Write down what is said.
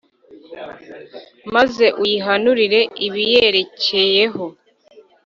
maze uyihanurire ibiyerekeyeho